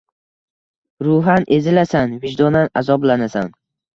Ruhan ezilasan, vijdonan azoblanasan.